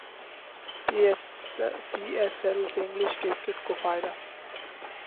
پی S L سے English cricket کو فائدہ